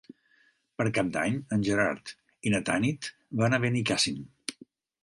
Per Cap d'Any en Gerard i na Tanit van a Benicàssim.